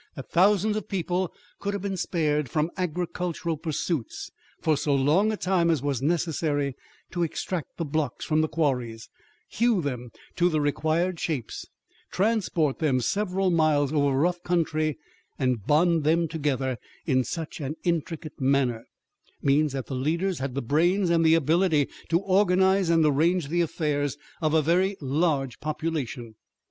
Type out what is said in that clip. That thousands of people could have been spared from agricultural pursuits for so long a time as was necessary to extract the blocks from the quarries, hew them to the required shapes, transport them several miles over rough country, and bond them together in such an intricate manner, means that the leaders had the brains and ability to organize and arrange the affairs of a very large population.